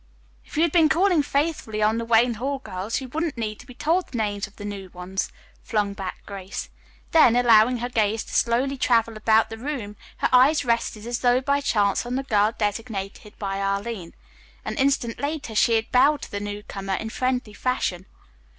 "If you had been calling faithfully on the Wayne Hall girls, you wouldn't need to be told the names of the new ones," flung back Grace. Then, allowing her gaze to slowly travel about the room, her eyes rested as though by chance on the girl designated by Arline. An instant later she had bowed to the newcomer in friendly fashion.